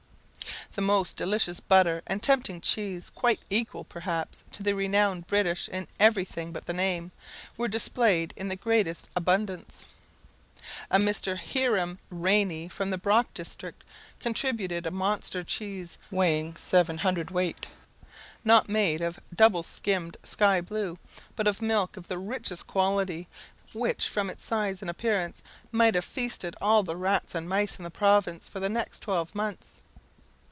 The most delicious butter and tempting cheese, quite equal, perhaps, to the renowned British in every thing but the name, were displayed in the greatest abundance. A Mr. Hiram Ranney, from the Brock district, contributed a monster cheese, weighing 7 cwt., not made of "double skimmed sky blue," but of milk of the richest quality, which, from its size and appearance, might have feasted all the rats and mice in the province for the next twelve months.